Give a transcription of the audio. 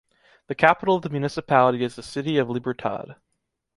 The capital of the municipality is the city of Libertad.